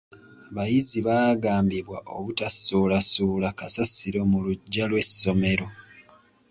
Abayizi baagambibwa obutasuulasuula kasasiro mu luggya lw'essomero.